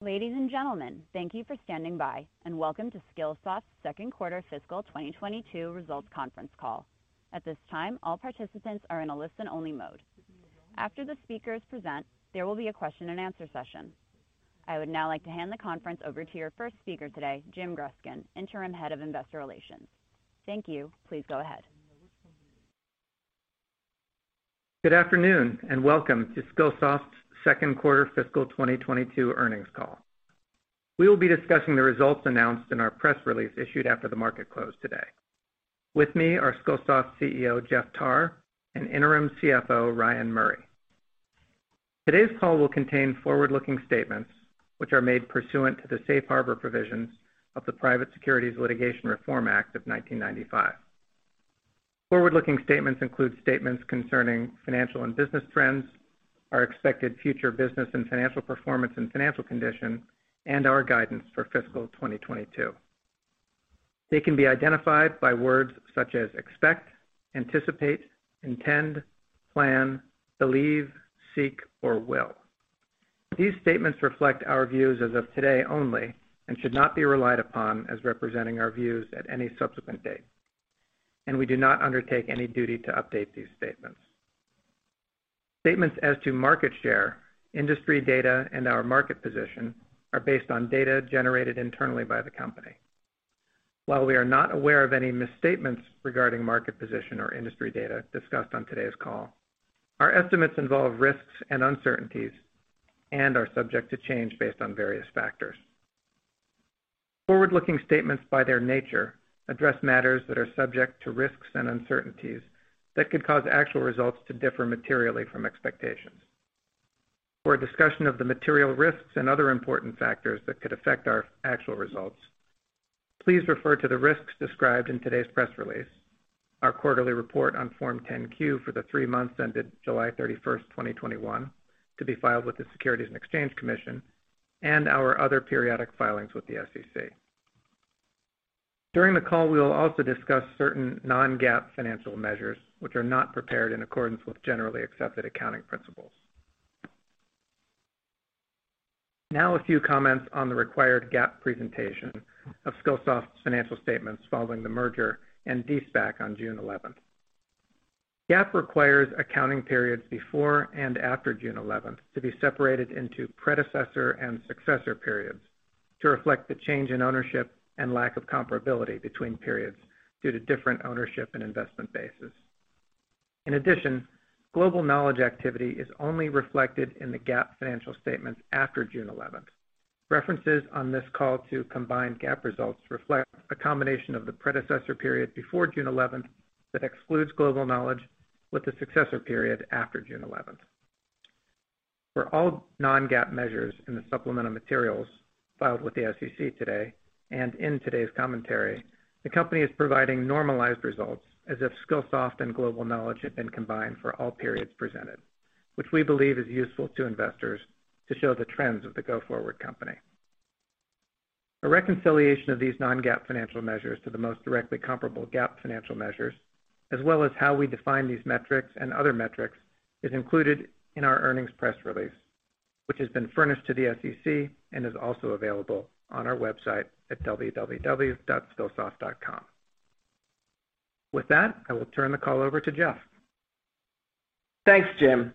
Ladies and gentlemen, thank you for standing by and welcome to Skillsoft's Second Quarter Fiscal 2022 Results Conference Call. At this time, all participants are in a listen-only mode. After the speakers present, there will be a question and answer session. I would now like to hand the conference over to your first speaker today, Jim Gruskin, Interim Head of Investor Relations. Thank you. Please go ahead. Good afternoon and welcome to Skillsoft's Second Quarter Fiscal 2022 Earnings Call. We will be discussing the results announced in our press release issued after the market closed today. With me are Skillsoft CEO, Jeff Tarr, and interim CFO, Ryan Murray. Today's call will contain forward-looking statements which are made pursuant to the safe harbor provisions of the Private Securities Litigation Reform Act of 1995. Forward-looking statements include statements concerning financial and business trends, our expected future business and financial performance and financial condition, and our guidance for fiscal 2022. They can be identified by words such as expect, anticipate, intend, plan, believe, seek, or will. These statements reflect our views as of today only and should not be relied upon as representing our views at any subsequent date, and we do not undertake any duty to update these statements. Statements as to market share, industry data, and our market position are based on data generated internally by the company. While we are not aware of any misstatements regarding market position or industry data discussed on today's call, our estimates involve risks and uncertainties and are subject to change based on various factors. Forward-looking statements, by their nature, address matters that are subject to risks and uncertainties that could cause actual results to differ materially from expectations. For a discussion of the material risks and other important factors that could affect our actual results, please refer to the risks described in today's press release, our quarterly report on Form 10-Q for the three months ended July 31st, 2021, to be filed with the Securities and Exchange Commission and our other periodic filings with the SEC. During the call, we will also discuss certain non-GAAP financial measures which are not prepared in accordance with generally accepted accounting principles. Now a few comments on the required GAAP presentation of Skillsoft's financial statements following the merger and de-SPAC on June 11th. GAAP requires accounting periods before and after June 11th to be separated into predecessor and successor periods to reflect the change in ownership and lack of comparability between periods due to different ownership and investment bases. In addition, Global Knowledge activity is only reflected in the GAAP financial statements after June 11th. References on this call to combined GAAP results reflect a combination of the predecessor period before June 11th that excludes Global Knowledge with the successor period after June 11th. For all non-GAAP measures in the supplemental materials filed with the SEC today and in today's commentary, the company is providing normalized results as if Skillsoft and Global Knowledge had been combined for all periods presented, which we believe is useful to investors to show the trends of the go-forward company. A reconciliation of these non-GAAP financial measures to the most directly comparable GAAP financial measures, as well as how we define these metrics and other metrics, is included in our earnings press release, which has been furnished to the SEC and is also available on our website at www.skillsoft.com. With that, I will turn the call over to Jeff. Thanks, Jim,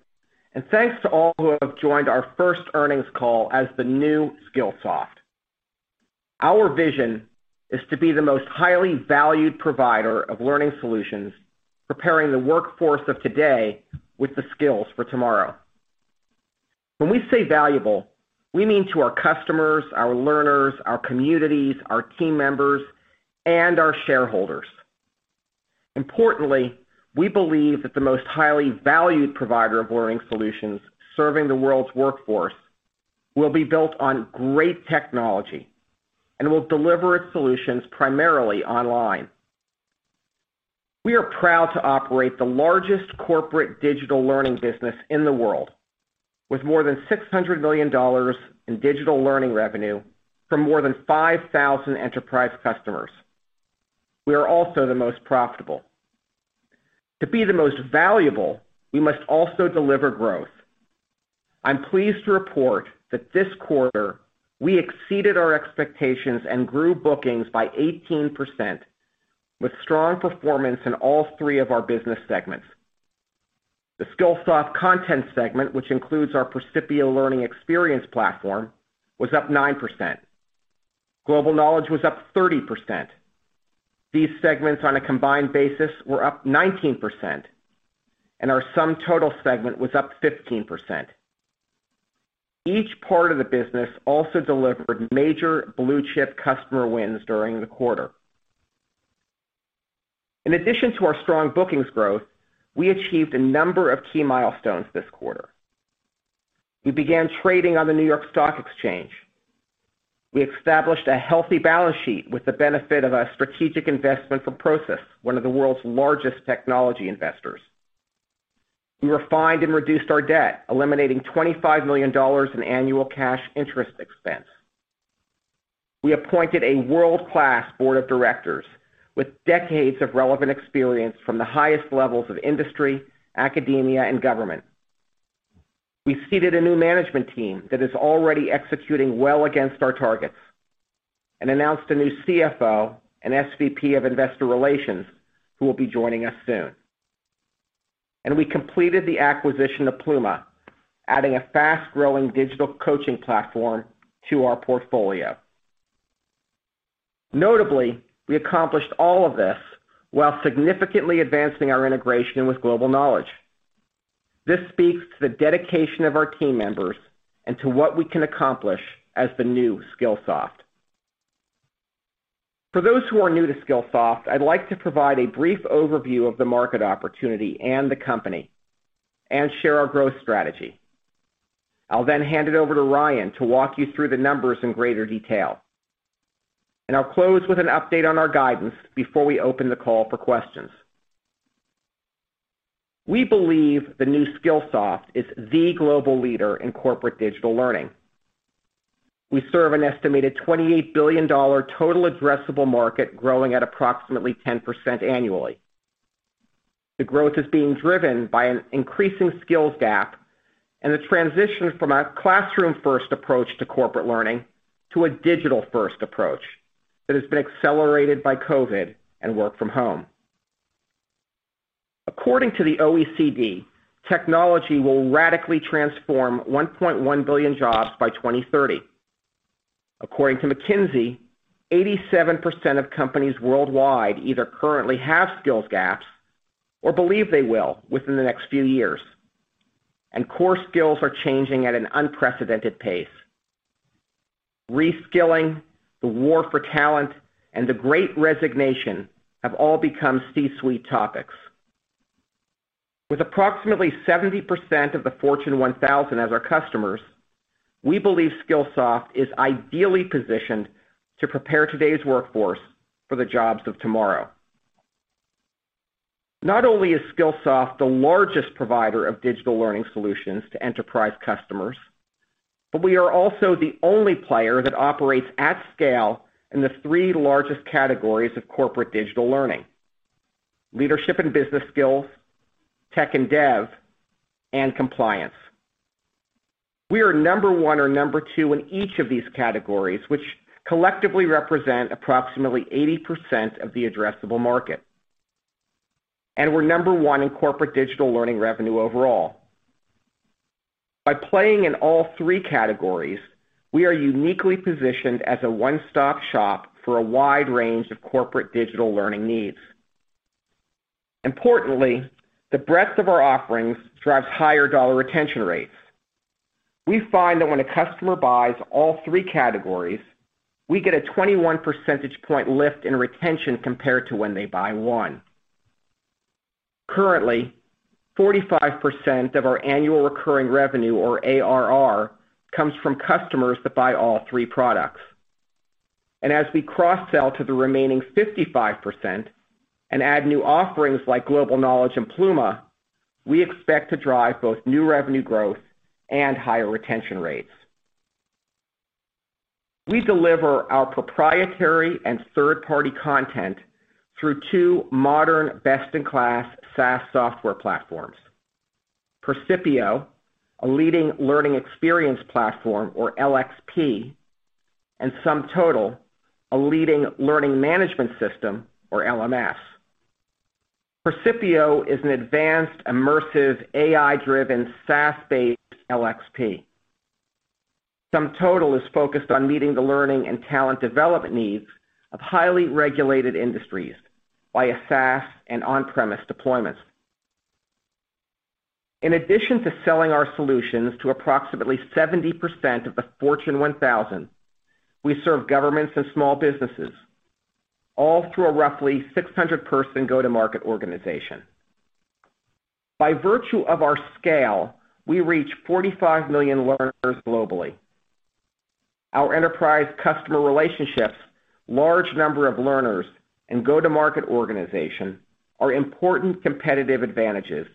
thanks to all who have joined our first earnings call as the new Skillsoft. Our vision is to be the most highly valued provider of learning solutions, preparing the workforce of today with the skills for tomorrow. When we say valuable, we mean to our customers, our learners, our communities, our team members, and our shareholders. Importantly, we believe that the most highly valued provider of learning solutions serving the world's workforce will be built on great technology and will deliver its solutions primarily online. We are proud to operate the largest corporate digital learning business in the world, with more than $600 million in digital learning revenue from more than 5,000 enterprise customers. We are also the most profitable. To be the most valuable, we must also deliver growth. I'm pleased to report that this quarter, we exceeded our expectations and grew bookings by 18%, with strong performance in all three of our business segments. The Skillsoft Content segment, which includes our Percipio learning experience platform, was up 9%. Global Knowledge was up 30%. These segments, on a combined basis, were up 19%, and our SumTotal segment was up 15%. Each part of the business also delivered major blue-chip customer wins during the quarter. In addition to our strong bookings growth, we achieved a number of key milestones this quarter. We began trading on the New York Stock Exchange. We established a healthy balance sheet with the benefit of a strategic investment from Prosus, one of the world's largest technology investors. We refined and reduced our debt, eliminating $25 million in annual cash interest expense. We appointed a world-class board of directors with decades of relevant experience from the highest levels of industry, academia, and government. We seated a new management team that is already executing well against our targets and announced a new CFO and SVP of Investor Relations who will be joining us soon. We completed the acquisition of Pluma, adding a fast-growing digital coaching platform to our portfolio. Notably, we accomplished all of this while significantly advancing our integration with Global Knowledge. This speaks to the dedication of our team members and to what we can accomplish as the new Skillsoft. For those who are new to Skillsoft, I'd like to provide a brief overview of the market opportunity and the company and share our growth strategy. I'll then hand it over to Ryan to walk you through the numbers in greater detail. I'll close with an update on our guidance before we open the call for questions. We believe the new Skillsoft is the global leader in corporate digital learning. We serve an estimated $28 billion total addressable market growing at approximately 10% annually. The growth is being driven by an increasing skills gap and the transition from a classroom-first approach to corporate learning to a digital-first approach that has been accelerated by COVID and work from home. According to the OECD, technology will radically transform 1.1 billion jobs by 2030. According to McKinsey, 87% of companies worldwide either currently have skills gaps or believe they will within the next few years, and core skills are changing at an unprecedented pace. Reskilling, the war for talent, and the great resignation have all become C-suite topics. With approximately 70% of the Fortune 1000 as our customers, we believe Skillsoft is ideally positioned to prepare today's workforce for the jobs of tomorrow. Not only is Skillsoft the largest provider of digital learning solutions to enterprise customers, but we are also the only player that operates at scale in the three largest categories of corporate digital learning, leadership and business skills, tech and dev, and compliance. We are number one or number two in each of these categories, which collectively represent approximately 80% of the addressable market, and we're number one in corporate digital learning revenue overall. By playing in all three categories, we are uniquely positioned as a one-stop shop for a wide range of corporate digital learning needs. Importantly, the breadth of our offerings drives higher dollar retention rates. We find that when a customer buys all three categories, we get a 21 percentage point lift in retention compared to when they buy one. Currently, 45% of our annual recurring revenue or ARR comes from customers that buy all three products. As we cross-sell to the remaining 55% and add new offerings like Global Knowledge and Pluma, we expect to drive both new revenue growth and higher retention rates. We deliver our proprietary and third-party content through two modern best-in-class SaaS software platforms, Percipio, a leading learning experience platform, or LXP, and SumTotal, a leading learning management system, or LMS. Percipio is an advanced, immersive, AI-driven, SaaS-based LXP. SumTotal is focused on meeting the learning and talent development needs of highly regulated industries via SaaS and on-premise deployments. In addition to selling our solutions to approximately 70% of the Fortune 1000, we serve governments and small businesses, all through a roughly 600-person go-to-market organization. By virtue of our scale, we reach 45 million learners globally. Our enterprise customer relationships, large number of learners, and go-to-market organization are important competitive advantages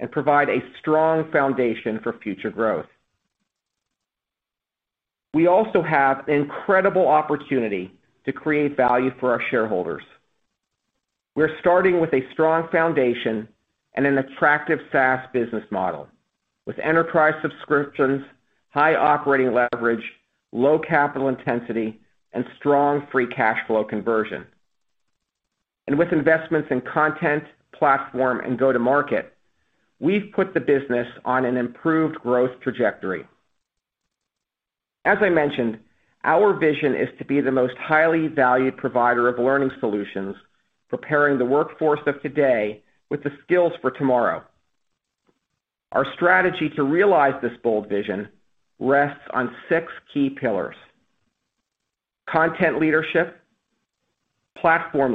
and provide a strong foundation for future growth. We also have an incredible opportunity to create value for our shareholders. We're starting with a strong foundation and an attractive SaaS business model with enterprise subscriptions, high operating leverage, low capital intensity, and strong free cash flow conversion. With investments in content, platform, and go to market, we've put the business on an improved growth trajectory. As I mentioned, our vision is to be the most highly valued provider of learning solutions, preparing the workforce of today with the skills for tomorrow. Our strategy to realize this bold vision rests on six key pillars: content leadership, platform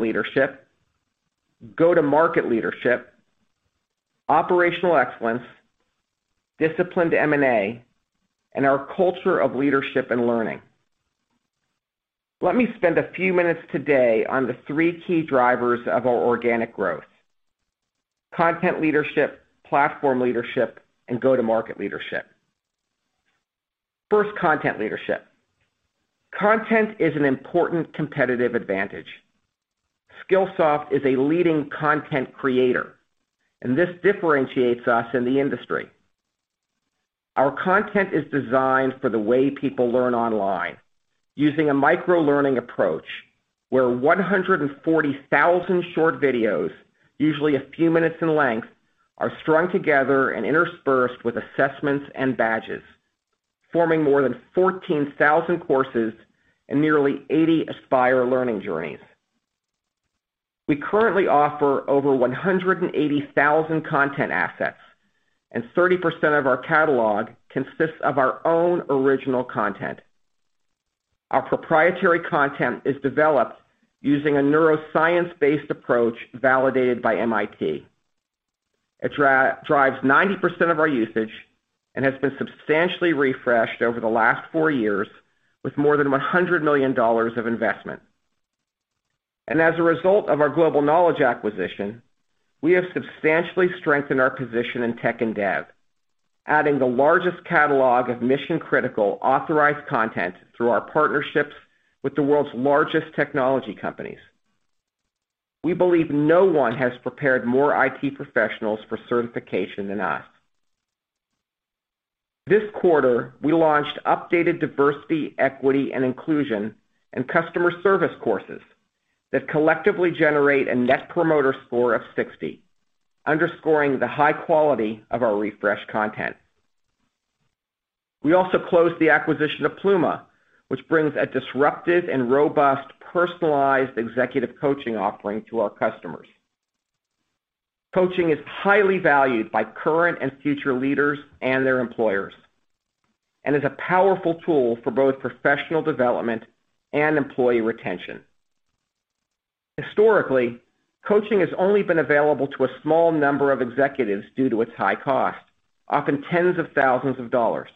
leadership, go-to-market leadership, operational excellence, disciplined M&A, and our culture of leadership and learning. Let me spend a few minutes today on the three key drivers of our organic growth. Content leadership, platform leadership, and go-to-market leadership. First, content leadership. Content is an important competitive advantage. Skillsoft is a leading content creator, and this differentiates us in the industry. Our content is designed for the way people learn online using a microlearning approach, where 140,000 short videos, usually a few minutes in length, are strung together and interspersed with assessments and badges, forming more than 14,000 courses and nearly 80 Aspire learning journeys. We currently offer over 180,000 content assets, and 30% of our catalog consists of our own original content. Our proprietary content is developed using a neuroscience-based approach validated by MIT. It drives 90% of our usage and has been substantially refreshed over the last four years with more than $100 million of investment. As a result of our Global Knowledge acquisition, we have substantially strengthened our position in tech and dev, adding the largest catalog of mission-critical authorized content through our partnerships with the world's largest technology companies. We believe no one has prepared more IT professionals for certification than us. This quarter, we launched updated Diversity, Equity, and Inclusion, and customer service courses that collectively generate a Net Promoter Score of 60, underscoring the high quality of our refreshed content. We also closed the acquisition of Pluma, which brings a disruptive and robust personalized executive coaching offering to our customers. Coaching is highly valued by current and future leaders and their employers and is a powerful tool for both professional development and employee retention. Historically, coaching has only been available to a small number of executives due to its high cost, often tens of thousands of dollars.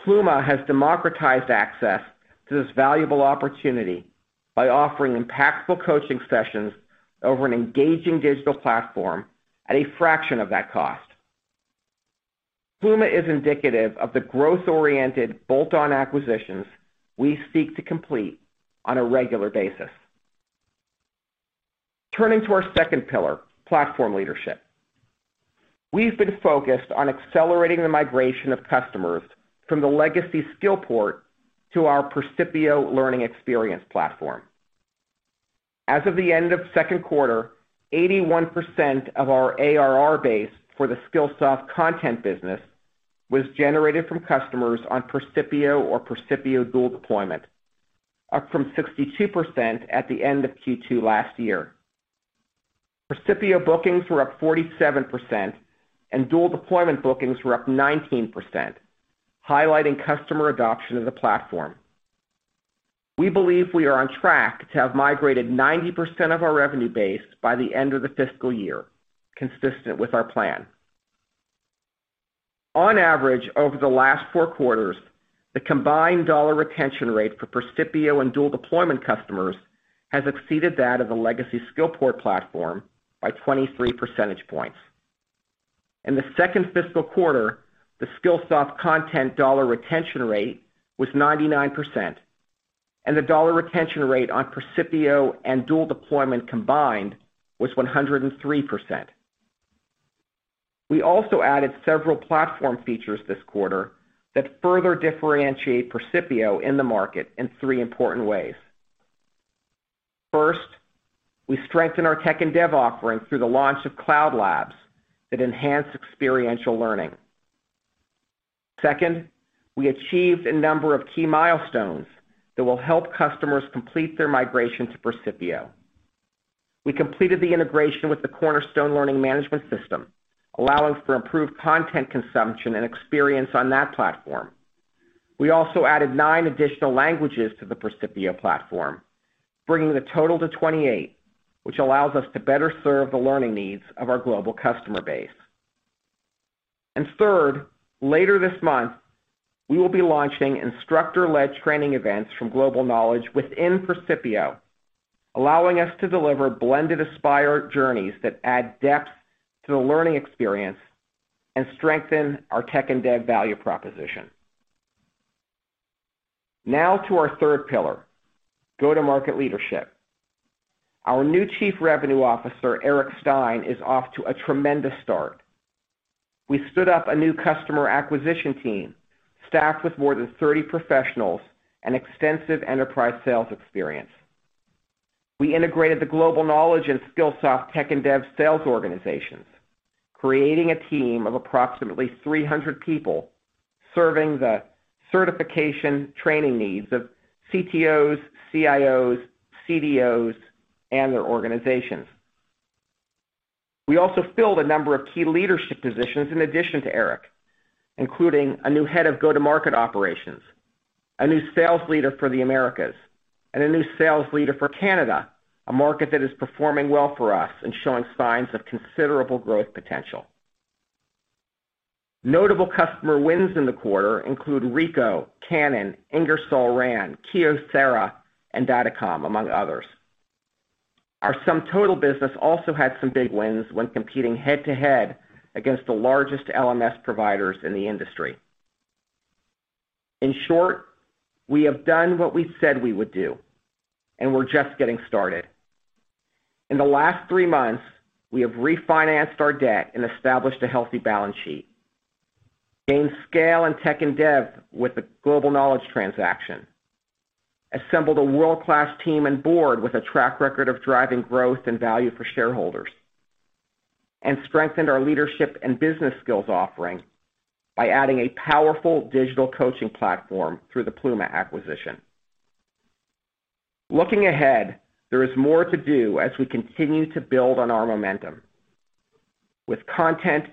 Pluma has democratized access to this valuable opportunity by offering impactful coaching sessions over an engaging digital platform at a fraction of that cost. Pluma is indicative of the growth-oriented bolt-on acquisitions we seek to complete on a regular basis. Turning to our second pillar, platform leadership. We've been focused on accelerating the migration of customers from the legacy Skillport to our Percipio learning experience platform. As of the end of the second quarter, 81% of our ARR base for the Skillsoft content business was generated from customers on Percipio or Percipio Dual Deployment, up from 62% at the end of Q2 last year. Percipio bookings were up 47%, and Dual Deployment bookings were up 19%, highlighting customer adoption of the platform. We believe we are on track to have migrated 90% of our revenue base by the end of the fiscal year, consistent with our plan. On average, over the last four quarters, the combined dollar retention rate for Percipio and Dual Deployment customers has exceeded that of the legacy Skillport platform by 23 percentage points. In the second fiscal quarter, the Skillsoft content dollar retention rate was 99%, and the dollar retention rate on Percipio and Dual Deployment combined was 103%. We also added several platform features this quarter that further differentiate Percipio in the market in three important ways. First, we strengthened our tech and dev offerings through the launch of cloud labs that enhance experiential learning. Second, we achieved a number of key milestones that will help customers complete their migration to Percipio. We completed the integration with the Cornerstone learning management system, allowing for improved content consumption and experience on that platform. We also added nine additional languages to the Percipio platform, bringing the total to 28, which allows us to better serve the learning needs of our global customer base. Third, later this month, we will be launching instructor-led training events from Global Knowledge within Percipio, allowing us to deliver blended Aspire journeys that add depth to the learning experience and strengthen our tech and dev value proposition. To our third pillar, go-to-market leadership. Our new Chief Revenue Officer, Eric Stine, is off to a tremendous start. We stood up a new customer acquisition team staffed with more than 30 professionals and extensive enterprise sales experience. We integrated the Global Knowledge and Skillsoft tech and dev sales organizations, creating a team of approximately 300 people serving the certification training needs of CTOs, CIOs, CDOs, and their organizations. We also filled a number of key leadership positions in addition to Eric, including a new head of go-to-market operations, a new sales leader for the Americas, and a new sales leader for Canada, a market that is performing well for us and showing signs of considerable growth potential. Notable customer wins in the quarter include Ricoh, Canon, Ingersoll Rand, Kyocera, and Datacom, among others. Our SumTotal business also had some big wins when competing head-to-head against the largest LMS providers in the industry. In short, we have done what we said we would do, and we're just getting started. In the last three months, we have refinanced our debt and established a healthy balance sheet, gained scale in tech and dev with the Global Knowledge transaction, assembled a world-class team and board with a track record of driving growth and value for shareholders, and strengthened our leadership and business skills offering by adding a powerful digital coaching platform through the Pluma acquisition. Looking ahead, there is more to do as we continue to build on our momentum. With content,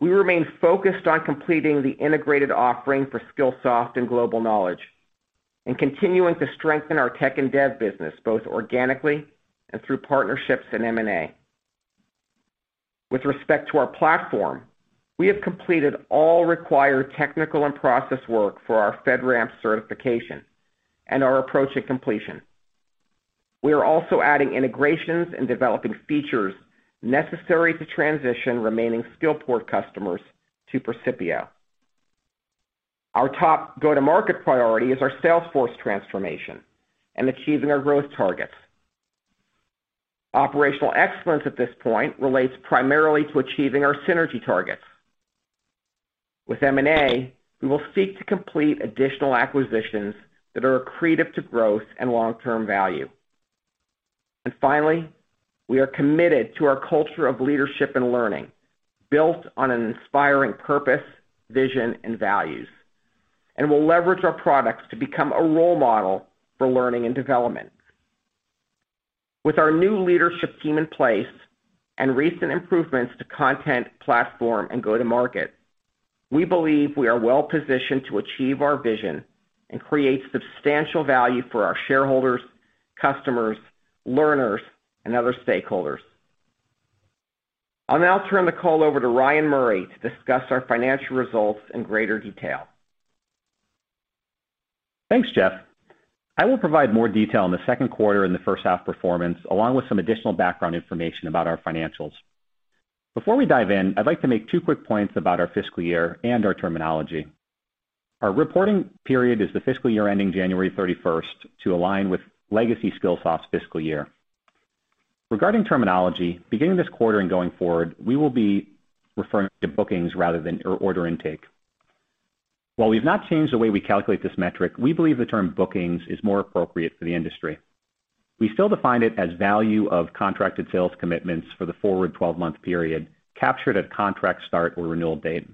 we remain focused on completing the integrated offering for Skillsoft and Global Knowledge and continuing to strengthen our tech and dev business, both organically and through partnerships and M&A. With respect to our platform, we have completed all required technical and process work for our FedRAMP certification and are approaching completion. We are also adding integrations and developing features necessary to transition remaining Skillport customers to Percipio. Our top go-to-market priority is our sales force transformation and achieving our growth targets. Operational excellence at this point relates primarily to achieving our synergy targets. With M&A, we will seek to complete additional acquisitions that are accretive to growth and long-term value. Finally, we are committed to our culture of leadership and learning, built on an inspiring purpose, vision, and values. We'll leverage our products to become a role model for learning and development. With our new leadership team in place and recent improvements to content, platform, and go-to-market, we believe we are well-positioned to achieve our vision and create substantial value for our shareholders, customers, learners, and other stakeholders. I'll now turn the call over to Ryan Murray to discuss our financial results in greater detail. Thanks, Jeff. I will provide more detail on the second quarter and the first half performance, along with some additional background information about our financials. Before we dive in, I'd like to make two quick points about our fiscal year and our terminology. Our reporting period is the fiscal year ending January 31st to align with legacy Skillsoft's fiscal year. Regarding terminology, beginning this quarter and going forward, we will be referring to bookings rather than order intake. While we've not changed the way we calculate this metric, we believe the term bookings is more appropriate for the industry. We still define it as value of contracted sales commitments for the forward 12-month period, captured at contract start or renewal date.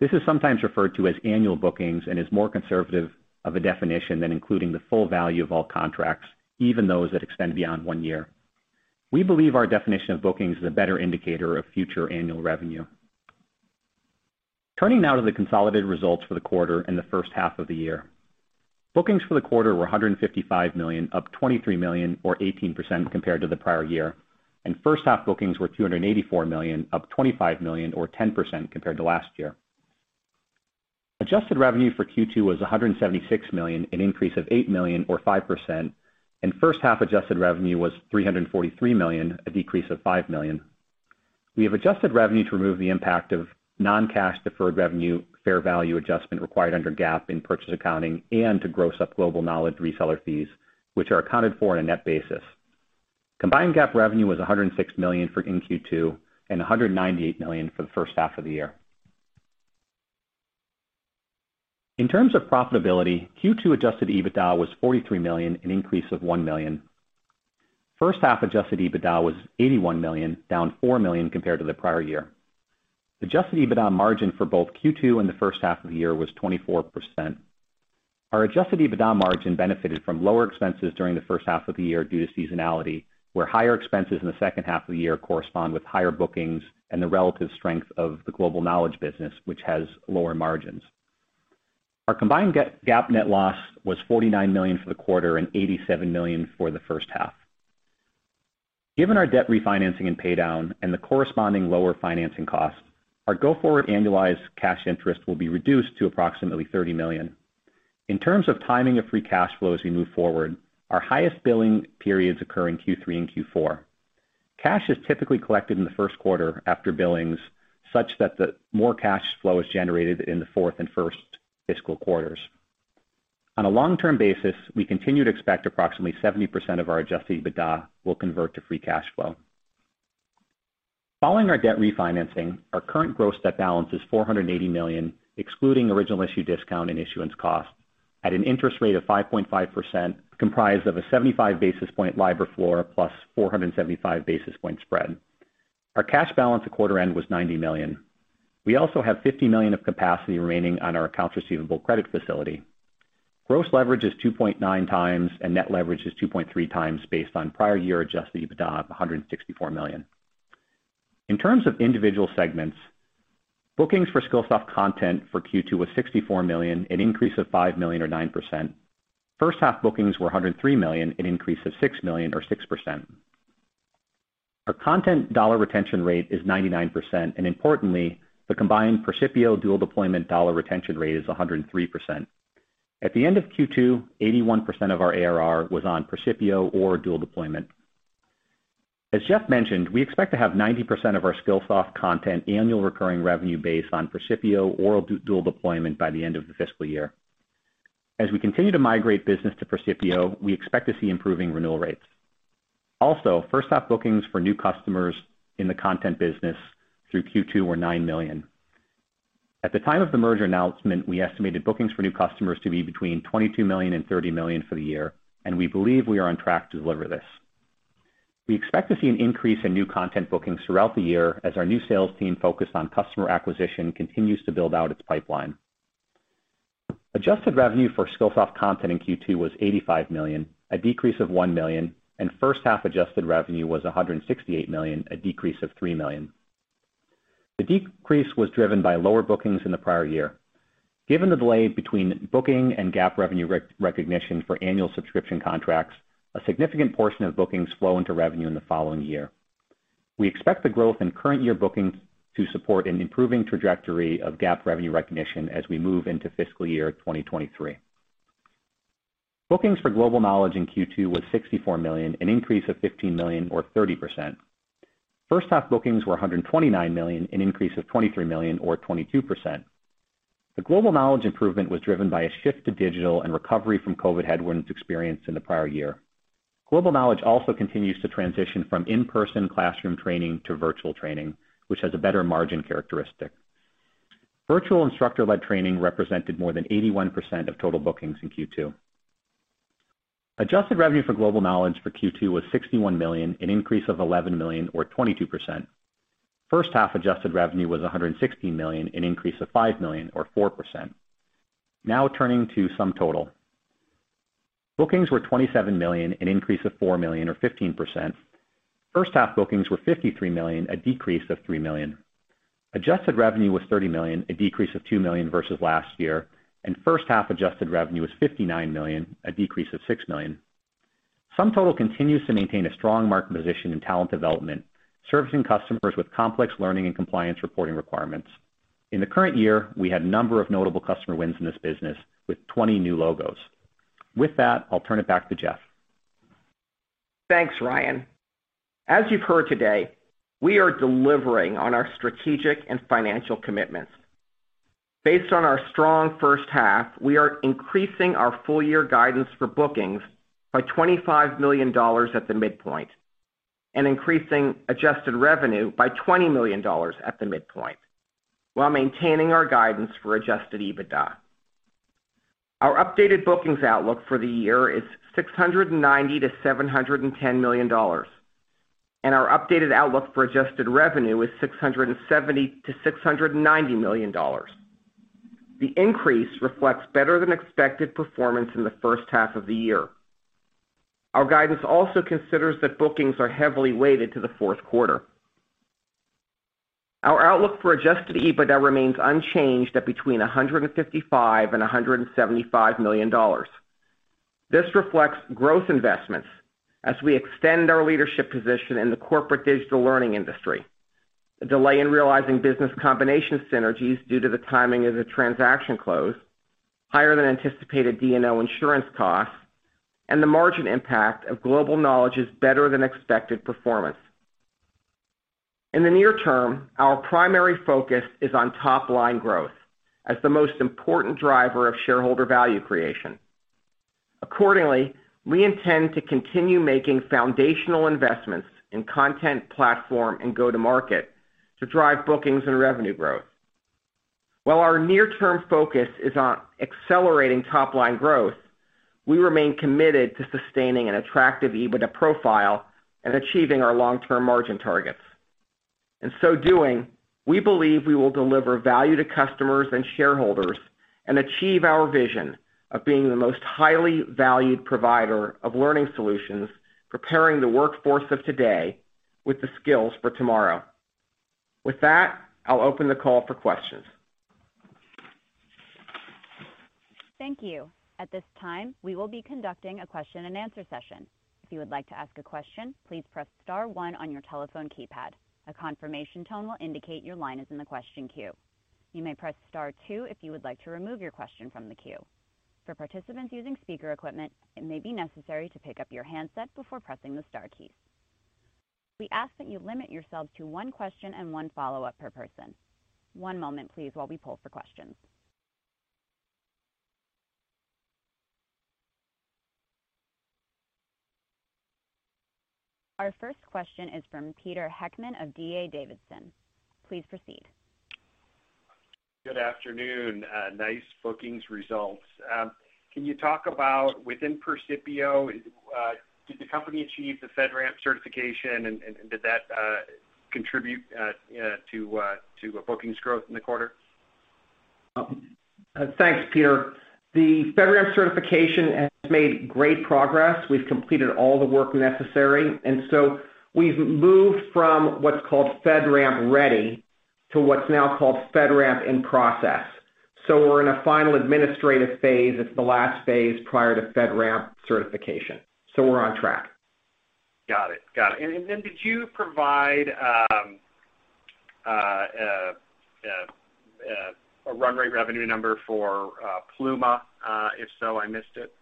This is sometimes referred to as annual bookings and is more conservative of a definition than including the full value of all contracts, even those that extend beyond one year. We believe our definition of bookings is a better indicator of future annual revenue. Turning now to the consolidated results for the quarter and the first half of the year. Bookings for the quarter were $155 million, up $23 million or 18% compared to the prior year. First half bookings were $284 million, up $25 million or 10% compared to last year. Adjusted revenue for Q2 was $176 million, an increase of $8 million or 5%, and first half adjusted revenue was $343 million, a decrease of $5 million. We have adjusted revenue to remove the impact of non-cash deferred revenue, fair value adjustment required under GAAP in purchase accounting, and to gross up Global Knowledge reseller fees, which are accounted for on a net basis. Combined GAAP revenue was $106 million for in Q2 and $198 million for the first half of the year. In terms of profitability, Q2 adjusted EBITDA was $43 million, an increase of $1 million. First half adjusted EBITDA was $81 million, down $4 million compared to the prior year. Adjusted EBITDA margin for both Q2 and the first half of the year was 24%. Our adjusted EBITDA margin benefited from lower expenses during the first half of the year due to seasonality, where higher expenses in the second half of the year correspond with higher bookings and the relative strength of the Global Knowledge business, which has lower margins. Our combined GAAP net loss was $49 million for the quarter and $87 million for the first half. Given our debt refinancing and paydown and the corresponding lower financing costs, our go-forward annualized cash interest will be reduced to approximately $30 million. In terms of timing of free cash flow as we move forward, our highest billing periods occur in Q3 and Q4. Cash is typically collected in the first quarter after billings, such that the more cash flow is generated in the fourth and first fiscal quarters. On a long-term basis, we continue to expect approximately 70% of our adjusted EBITDA will convert to free cash flow. Following our debt refinancing, our current gross debt balance is $480 million, excluding original issue discount and issuance cost, at an interest rate of 5.5%, comprised of a 75 basis point LIBOR floor plus 475 basis point spread. Our cash balance at quarter end was $90 million. We also have $50 million of capacity remaining on our accounts receivable credit facility. Gross leverage is 2.9x and net leverage is 2.3x based on prior year adjusted EBITDA of $164 million. In terms of individual segments, bookings for Skillsoft content for Q2 was $64 million, an increase of $5 million or 9%. First half bookings were $103 million, an increase of $6 million or 6%. Our content dollar retention rate is 99%, and importantly, the combined Percipio Dual Deployment dollar retention rate is 103%. At the end of Q2, 81% of our ARR was on Percipio or Dual Deployment. As Jeff mentioned, we expect to have 90% of our Skillsoft content annual recurring revenue base on Percipio or Dual Deployment by the end of the fiscal year. As we continue to migrate business to Percipio, we expect to see improving renewal rates. First half bookings for new customers in the content business through Q2 were $9 million. At the time of the merger announcement, we estimated bookings for new customers to be between $22 million and $30 million for the year, and we believe we are on track to deliver this. We expect to see an increase in new content bookings throughout the year as our new sales team focused on customer acquisition continues to build out its pipeline. Adjusted revenue for Skillsoft Content in Q2 was $85 million, a decrease of $1 million, and first half adjusted revenue was $168 million, a decrease of $3 million. The decrease was driven by lower bookings in the prior year. Given the delay between booking and GAAP revenue recognition for annual subscription contracts, a significant portion of bookings flow into revenue in the following year. We expect the growth in current year bookings to support an improving trajectory of GAAP revenue recognition as we move into fiscal year 2023. Bookings for Global Knowledge in Q2 was $64 million, an increase of $15 million or 30%. First half bookings were $129 million, an increase of $23 million or 22%. The Global Knowledge improvement was driven by a shift to digital and recovery from COVID headwinds experienced in the prior year. Global Knowledge also continues to transition from in-person classroom training to virtual training, which has a better margin characteristic. Virtual instructor-led training represented more than 81% of total bookings in Q2. Adjusted revenue for Global Knowledge for Q2 was $61 million, an increase of $11 million or 22%. First half adjusted revenue was $116 million, an increase of $5 million or 4%. Now turning to SumTotal. Bookings were $27 million, an increase of $4 million or 15%. First half bookings were $53 million, a decrease of $3 million. Adjusted revenue was $30 million, a decrease of $2 million versus last year, and first half adjusted revenue was $59 million, a decrease of $6 million. SumTotal continues to maintain a strong market position in talent development, servicing customers with complex learning and compliance reporting requirements. In the current year, we had a number of notable customer wins in this business with 20 new logos. With that, I'll turn it back to Jeff. Thanks, Ryan. As you've heard today, we are delivering on our strategic and financial commitments. Based on our strong first half, we are increasing our full year guidance for bookings by $25 million at the midpoint and increasing adjusted revenue by $20 million at the midpoint while maintaining our guidance for adjusted EBITDA. Our updated bookings outlook for the year is $690 million-$710 million, and our updated outlook for adjusted revenue is $670 million-$690 million. The increase reflects better than expected performance in the first half of the year. Our guidance also considers that bookings are heavily weighted to the fourth quarter. Our outlook for adjusted EBITDA remains unchanged at between $155 million and $175 million. This reflects growth investments as we extend our leadership position in the corporate digital learning industry. A delay in realizing business combination synergies due to the timing of the transaction close, higher than anticipated D&O insurance costs, and the margin impact of Global Knowledge's better than expected performance. In the near term, our primary focus is on top-line growth as the most important driver of shareholder value creation. Accordingly, we intend to continue making foundational investments in content platform and go-to-market to drive bookings and revenue growth. While our near-term focus is on accelerating top-line growth, we remain committed to sustaining an attractive EBITDA profile and achieving our long-term margin targets. In so doing, we believe we will deliver value to customers and shareholders and achieve our vision of being the most highly valued provider of learning solutions, preparing the workforce of today with the skills for tomorrow. With that, I'll open the call for questions. Thank you. At this time, we will be conducting a question and answer session. If you would like to ask a question, please press star one on your telephone keypad. A confirmation tone will indicate your line is in the question queue. You may press star two if you would like to remove your question from the queue. For participants using speaker equipment, it may be necessary to pick up your handset before pressing the star keys. We ask that you limit yourselves to one question and one follow-up per person. One moment, please, while we poll for questions. Our first question is from Peter Heckmann of D.A. Davidson. Please proceed. Good afternoon. Nice bookings results. Can you talk about within Percipio, did the company achieve the FedRAMP certification and did that contribute to bookings growth in the quarter? Thanks, Peter. The FedRAMP certification has made great progress. We've completed all the work necessary. We've moved from what's called FedRAMP Ready to what's now called FedRAMP In Process. We're in a final administrative phase. It's the last phase prior to FedRAMP certification. We're on track. Got it. Did you provide a run rate revenue number for Pluma? If so, I missed it.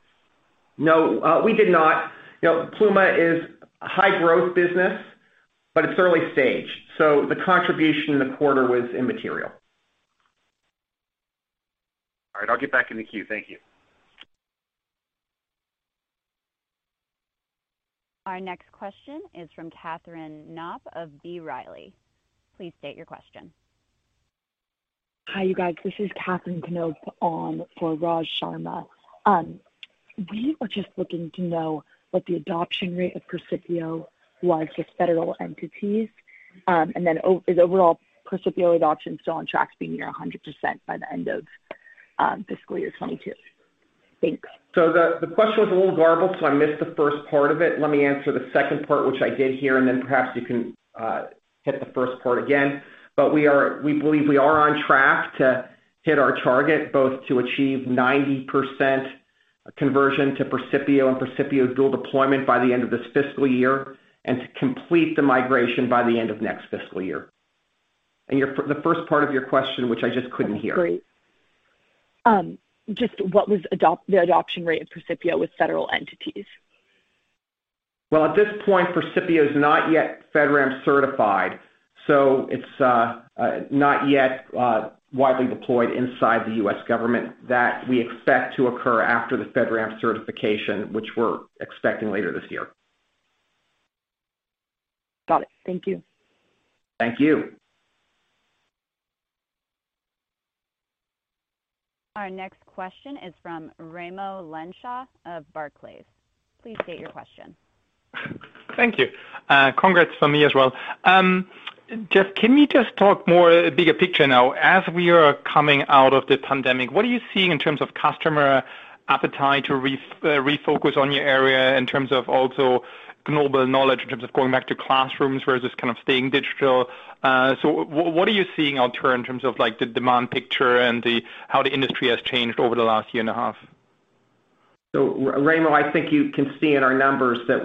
No, we did not. Pluma is a high growth business, but it's early stage, so the contribution in the quarter was immaterial. All right, I'll get back in the queue. Thank you. Our next question is from Katherine Knop of B. Riley. Please state your question. Hi, you guys. This is Katherine Knop on for Raj Sharma. We were just looking to know what the adoption rate of Percipio was with federal entities. Is overall Percipio adoption still on track to being near 100% by the end of fiscal year 2022? Thanks. The question was a little garbled, I missed the first part of it. Let me answer the second part, which I did hear, perhaps you can hit the first part again. We believe we are on track to hit our target, both to achieve 90% conversion to Percipio and Percipio Dual Deployment by the end of this fiscal year, to complete the migration by the end of next fiscal year. The first part of your question, which I just couldn't hear. Just what was the adoption rate of Percipio with federal entities? Well, at this point, Percipio is not yet FedRAMP certified, so it's not yet widely deployed inside the U.S. government. That we expect to occur after the FedRAMP certification, which we're expecting later this year. Got it. Thank you. Thank you. Our next question is from Raimo Lenschow of Barclays. Please state your question. Thank you. Congrats from me as well. Jeff, can we just talk more bigger picture now? As we are coming out of the pandemic, what are you seeing in terms of customer appetite to refocus on your area in terms of also Global Knowledge, in terms of going back to classrooms versus kind of staying digital. What are you seeing out there in terms of the demand picture and how the industry has changed over the last year and a half? Raimo, I think you can see in our numbers that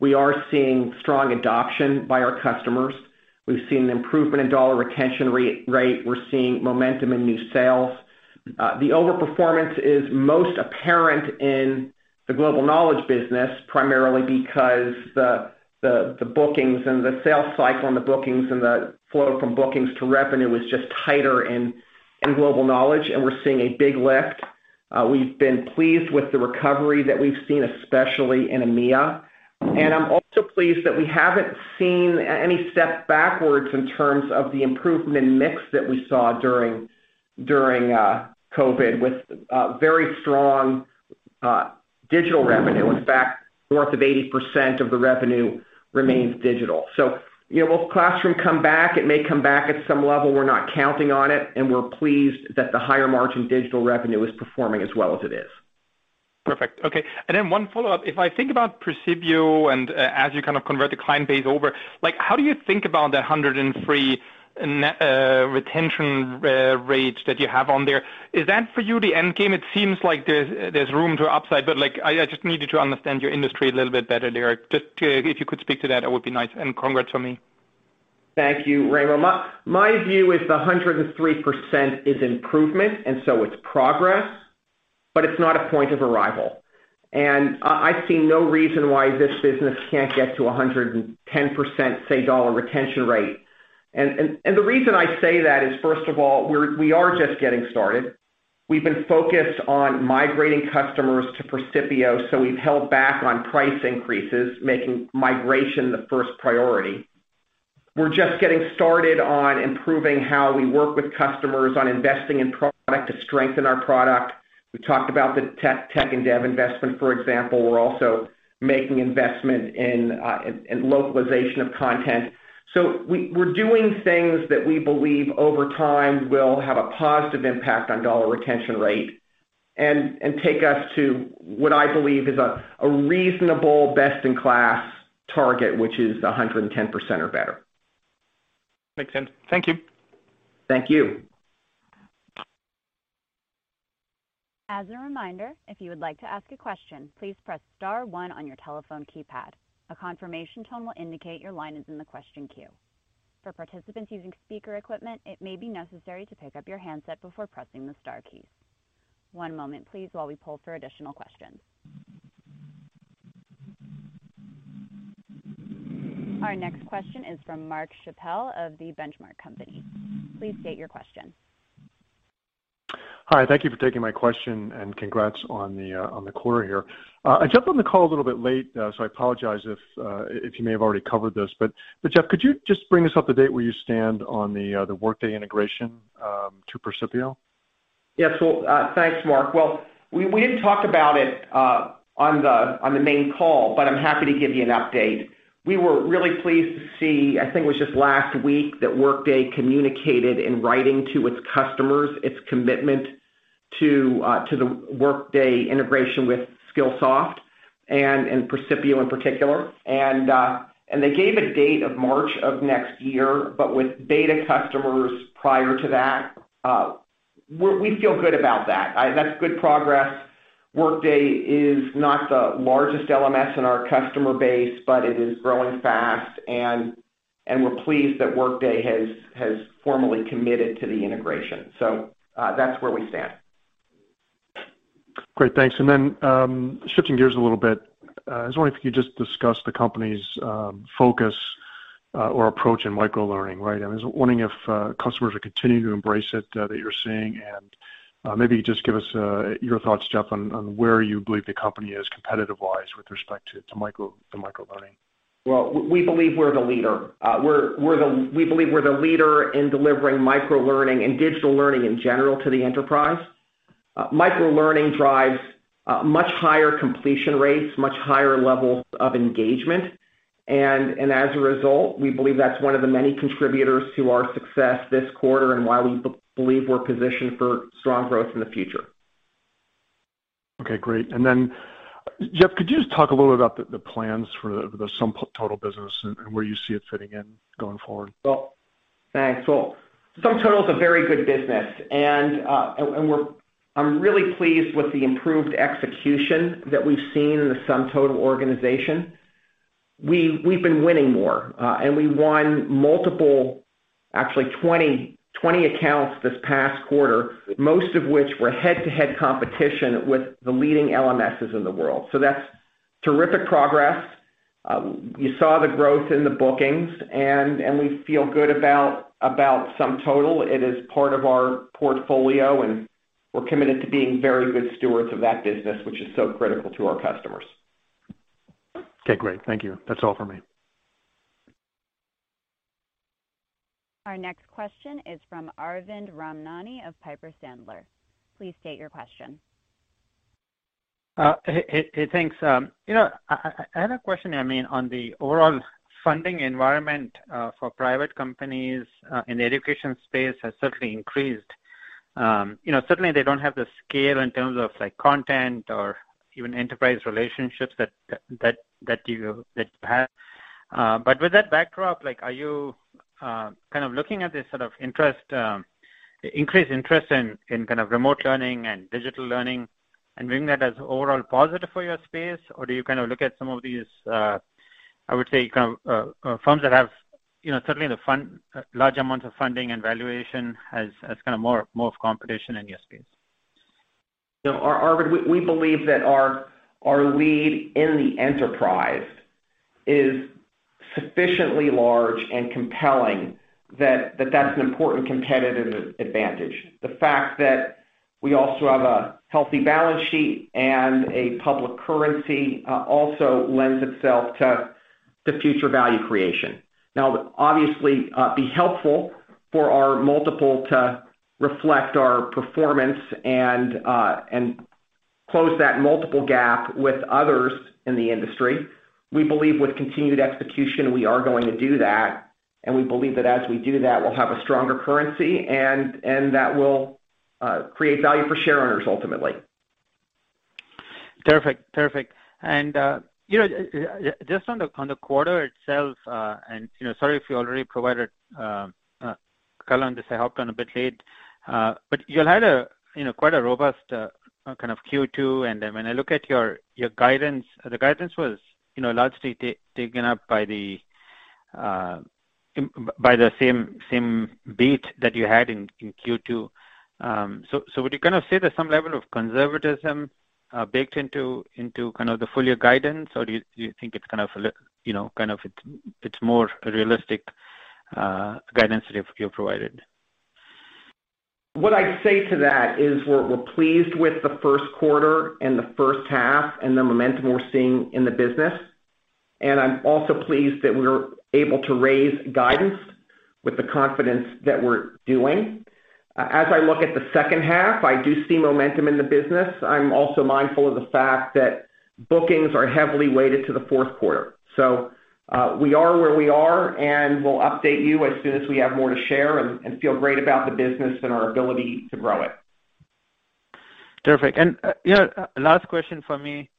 we are seeing strong adoption by our customers. We've seen improvement in dollar retention rate. We're seeing momentum in new sales. The over-performance is most apparent in the Global Knowledge business, primarily because the bookings and the sales cycle and the bookings and the flow from bookings to revenue was just tighter in Global Knowledge, and we're seeing a big lift. We've been pleased with the recovery that we've seen, especially in EMEA. I'm also pleased that we haven't seen any step backwards in terms of the improvement in mix that we saw during COVID with very strong digital revenue. In fact, north of 80% of the revenue remains digital. Will classroom come back? It may come back at some level. We're not counting on it, and we're pleased that the higher margin digital revenue is performing as well as it is. Perfect. Okay. One follow-up. If I think about Percipio and as you kind of convert the client base over, how do you think about the 103 retention rate that you have on there? Is that, for you, the end game? It seems like there's room to upside, but I just need you to understand your industry a little bit better there. If you could speak to that, it would be nice. Congrats from me. Thank you, Raimo. My view is the 103% is improvement, it's progress, but it's not a point of arrival. I see no reason why this business can't get to 110%, say, dollar retention rate. The reason I say that is, first of all, we are just getting started. We've been focused on migrating customers to Percipio, we've held back on price increases, making migration the first priority. We're just getting started on improving how we work with customers on investing in product to strengthen our product. We talked about the tech and dev investment, for example. We're also making investment in localization of content. We're doing things that we believe over time will have a positive impact on dollar retention rate and take us to what I believe is a reasonable best-in-class target, which is the 110% or better. Makes sense. Thank you. Thank you. As a reminder, if you would like to ask a question, please press star one on your telephone keypad. A confirmation tone will indicate your line is in the question queue. For participants using speaker equipment, it may be necessary to pick up your handset before pressing the star key. One moment please while we pull for additional questions. Our next question is from Mark Schappel of The Benchmark Company. Please state your question. Hi, thank you for taking my question and congrats on the quarter here. I jumped on the call a little bit late, so I apologize if you may have already covered this. Jeff, could you just bring us up to date where you stand on the Workday integration to Percipio? Thanks, Mark. Well, we didn't talk about it on the main call, but I'm happy to give you an update. We were really pleased to see, I think it was just last week, that Workday communicated in writing to its customers its commitment to the Workday integration with Skillsoft and Percipio in particular. They gave a date of March of next year, but with beta customers prior to that. We feel good about that. That's good progress. Workday is not the largest LMS in our customer base, but it is growing fast and we're pleased that Workday has formally committed to the integration. That's where we stand. Great, thanks. Shifting gears a little bit, I was wondering if you could just discuss the company's focus or approach in microlearning, right? I was wondering if customers are continuing to embrace it, that you're seeing, and maybe just give us your thoughts, Jeff, on where you believe the company is competitive-wise with respect to microlearning. Well, we believe we're the leader. We believe we're the leader in delivering microlearning and digital learning in general to the enterprise. Microlearning drives much higher completion rates, much higher levels of engagement, and as a result, we believe that's one of the many contributors to our success this quarter and why we believe we're positioned for strong growth in the future. Okay, great. Jeff, could you just talk a little bit about the plans for the SumTotal business and where you see it fitting in going forward? Well, thanks. Well, SumTotal is a very good business, and I'm really pleased with the improved execution that we've seen in the SumTotal organization. We've been winning more. We won multiple, actually 20, accounts this past quarter, most of which were head-to-head competition with the leading LMSs in the world. That's terrific progress. You saw the growth in the bookings and we feel good about SumTotal. It is part of our portfolio and we're committed to being very good stewards of that business, which is so critical to our customers. Okay, great. Thank you. That is all for me. Our next question is from Arvind Ramnani of Piper Sandler. Please state your question. Hey, thanks. I had a question, on the overall funding environment for private companies in the education space has certainly increased. Certainly they don't have the scale in terms of content or even enterprise relationships that you have. With that backdrop, are you looking at this increased interest in remote learning and digital learning and viewing that as overall positive for your space? Or do you look at some of these, I would say firms that have certainly the large amount of funding and valuation as more of competition in your space? Arvind, we believe that our lead in the enterprise is sufficiently large and compelling that's an important competitive advantage. The fact that we also have a healthy balance sheet and a public currency, also lends itself to future value creation. obviously be helpful for our multiple to reflect our performance and close that multiple gap with others in the industry. We believe with continued execution, we are going to do that, and we believe that as we do that, we'll have a stronger currency and that will create value for share owners ultimately. Terrific. Terrific. Just on the quarter itself, and sorry if you already provided, [covered], this, I hopped on a bit late. You all had quite a robust kind of Q2. When I look at your guidance, the guidance was largely taken up by the same beat that you had in Q2. Would you say there's some level of conservatism baked into the full-year guidance, or do you think it's more realistic guidance that you've provided? What I'd say to that is we're pleased with the first quarter and the first half and the momentum we're seeing in the business. I'm also pleased that we're able to raise guidance with the confidence that we're doing. As I look at the second half, I do see momentum in the business. I'm also mindful of the fact that bookings are heavily weighted to the fourth quarter. We are where we are, and we'll update you as soon as we have more to share and feel great about the business and our ability to grow it. Terrific. Last question for me.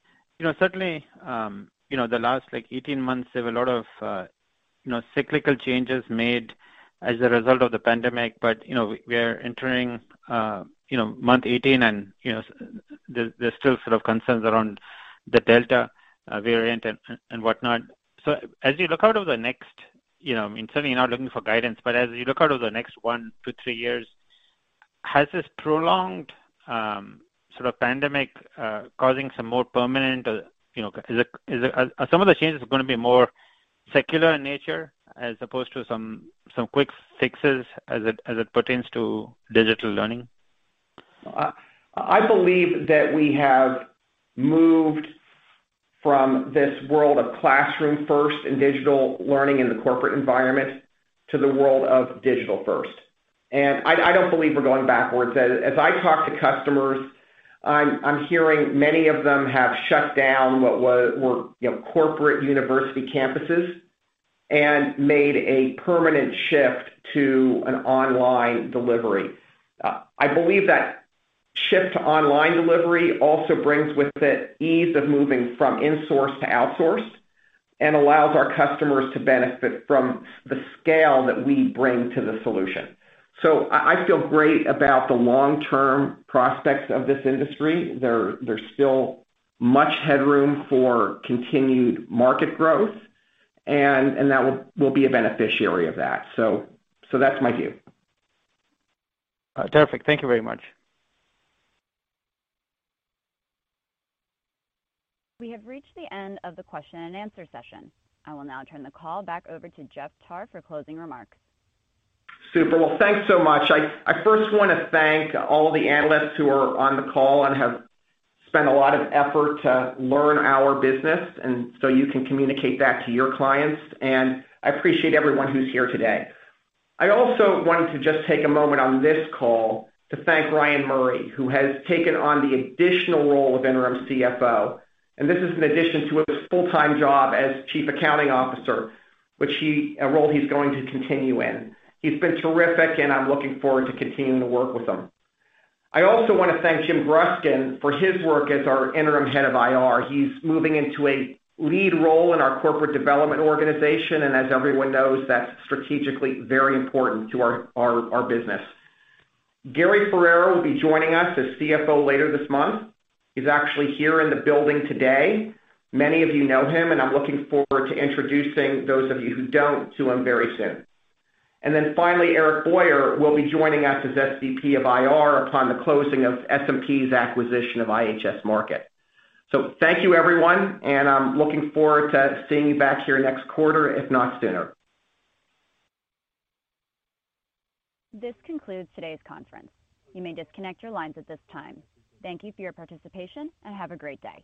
Certainly, the last 18 months have a lot of cyclical changes made as a result of the pandemic. We are entering month 18, and there's still sort of concerns around the Delta variant and whatnot. As you look out over the next, certainly you're not looking for guidance, but as you look out over the next one to three years, has this prolonged sort of pandemic causing some more permanent or are some of the changes going to be more secular in nature as opposed to some quick fixes as it pertains to digital learning? I believe that we have moved from this world of classroom first and digital learning in the corporate environment to the world of digital first. I don't believe we're going backwards. As I talk to customers, I'm hearing many of them have shut down what were corporate university campuses and made a permanent shift to an online delivery. I believe that shift to online delivery also brings with it ease of moving from insource to outsource and allows our customers to benefit from the scale that we bring to the solution. I feel great about the long-term prospects of this industry. There's still much headroom for continued market growth and that we'll be a beneficiary of that. That's my view. Terrific. Thank you very much. We have reached the end of the question and answer session. I will now turn the call back over to Jeff Tarr for closing remarks. Super. Thanks so much. I first want to thank all the analysts who are on the call and have spent a lot of effort to learn our business and so you can communicate that to your clients, and I appreciate everyone who's here today. I also wanted to just take a moment on this call to thank Ryan Murray, who has taken on the additional role of Interim CFO, and this is in addition to his full-time job as Chief Accounting Officer, a role he's going to continue in. He's been terrific, and I'm looking forward to continuing to work with him. I also want to thank Jim Bruskin for his work as our Interim Head of IR. He's moving into a lead role in our corporate development organization, and as everyone knows, that's strategically very important to our business. Gary Ferrera will be joining us as CFO later this month. He's actually here in the building today. Many of you know him, and I'm looking forward to introducing those of you who don't to him very soon. Eric Boyer will be joining us as SVP of IR upon the closing of S&P's acquisition of IHS Markit. Thank you, everyone, and I'm looking forward to seeing you back here next quarter, if not sooner. This concludes today's conference. You may disconnect your lines at this time. Thank you for your participation, and have a great day.